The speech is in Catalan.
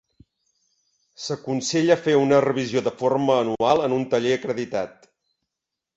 S'aconsella fer una revisió de forma anual en un taller acreditat.